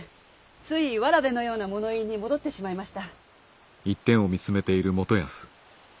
つい童のような物言いに戻ってしまいました。